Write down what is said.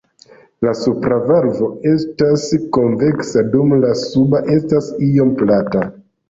La supra valvo estas konveksa dum la suba estas iom plata.